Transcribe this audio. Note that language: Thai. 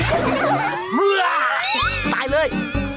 ตายเลย